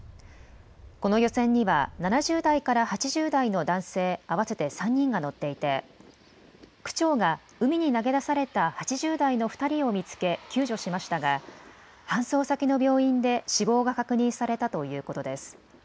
この漁船には７０代から８０代の男性合わせて３人が乗っていて区長が海に投げ出された８０代の２人を見つけ救助しましたが搬送先の病院で死亡が確認されたということです。